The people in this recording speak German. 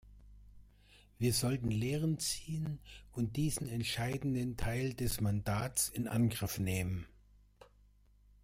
Wir sollten Lehren ziehen und diesen entscheidenden Teil des Mandats in Angriff nehmen.